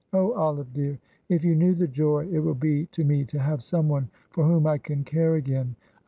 Oh, Olive dear, if you knew the joy it will be to me to have someone for whom I can care again.